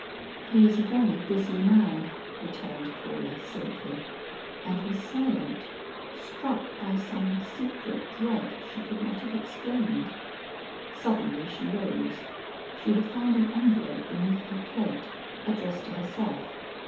"He is a very busy man," returned Paula simply, and was silent, struck by some secret dread she could not have explained. Suddenly she rose; she had found an envelope beneath her plate, addressed to herself.